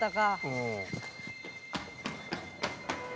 うん。